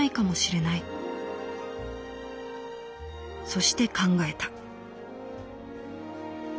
そして考えた」。